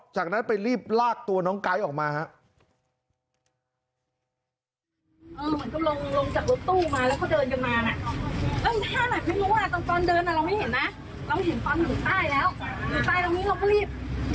จากนั้นไปรีบลากตัวน้องไก๊ออกมาครับ